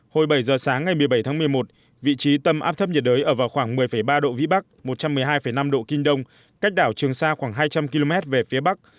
hồi bảy giờ sáng ngày một mươi bảy tháng một mươi một vị trí tâm áp thấp nhiệt đới ở vào khoảng một mươi ba độ vĩ bắc một trăm một mươi hai năm độ kinh đông cách đảo trường sa khoảng hai trăm linh km về phía bắc